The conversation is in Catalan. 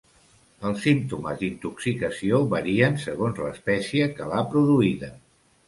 Els símptomes d'intoxicació varien segons l'espècie que l'ha produïda.